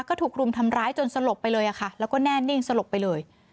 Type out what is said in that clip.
ก็ถูกรุมทำร้ายจนสลบไปเลยค่ะแล้วก็แน่นิ่งสลบไปเลย